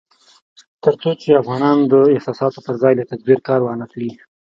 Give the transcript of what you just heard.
تر څو چې افغانان د احساساتو پر ځای له تدبير کار وانخلي